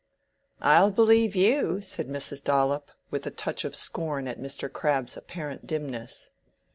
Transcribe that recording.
"I'll believe you!" said Mrs. Dollop, with a touch of scorn at Mr. Crabbe's apparent dimness.